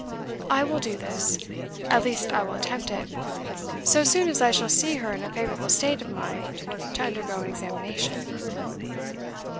I will do this at least I will attempt it, so soon as I shall see her in a favourable state of mind to undergo an examination."